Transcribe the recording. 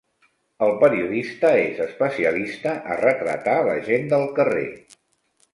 El periodista és especialista a retratar la gent del carrer.